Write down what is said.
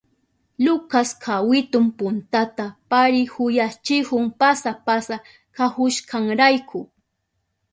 Lucas kawitun puntata parihuyachihun pasa pasa kahushkanrayku.